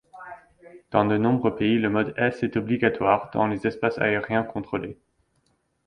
Dans de nombreux pays le mode S est obligatoire dans les espaces aériens contrôlés.